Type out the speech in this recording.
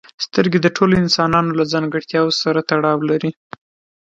سترګې د ټولو انسانانو له ځانګړتیاوو سره تړاو لري.